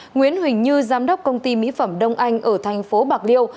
nguyễn huỳnh như giám đốc công ty mỹ phẩm đông anh ở thành phố bạc liêu